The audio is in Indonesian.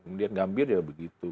kemudian gambir ya begitu